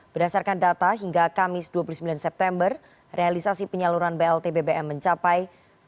berdasarkan data hingga kamis dua puluh sembilan september realisasi penyaluran blt bbm mencapai